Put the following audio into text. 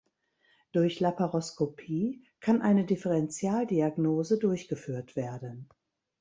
Durch Laparoskopie kann eine Differenzialdiagnose durchgeführt werden.